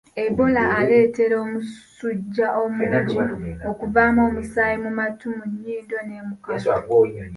Ebola aleetera omusujja omungi, okuvaamu omusaayi mu matu, mu nnyindo ne mu kamwa.